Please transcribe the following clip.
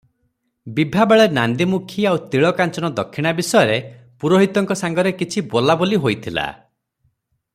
ବିଭାବେଳେ ନାନ୍ଦୀମୁଖୀ ଆଉ ତିଳକାଞ୍ଚନ ଦକ୍ଷିଣା ବିଷୟରେ ପୁରୋହିତଙ୍କ ସାଙ୍ଗରେ କିଛି ବୋଲାବୋଲି ହୋଇଥିଲା ।